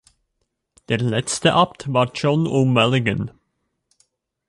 Der letzte Abt war John O’Mullegan.